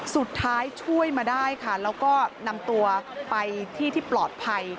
ช่วยมาได้ค่ะแล้วก็นำตัวไปที่ที่ปลอดภัย